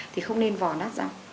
thì không nên vò nát rau